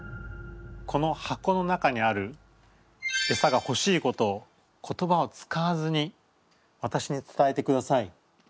この箱の中にあるエサが欲しいことを言葉を使わずに私に伝えてください。